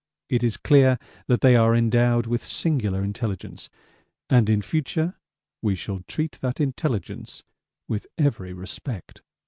It is clear that they are endowed with singular intelligence, and in future we shall treat that intelligence with every respect.